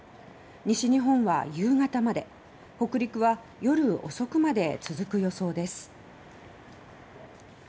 西日本は夕方まで北陸は夜遅くまで続く予想です。